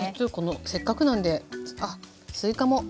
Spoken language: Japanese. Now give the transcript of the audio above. せっかくなんであっすいかも。